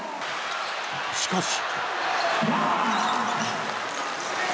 しかし。